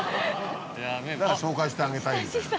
だから紹介してあげたいみたいな。